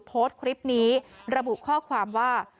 โพสต์คลิปนี้ระบุข้อความว่า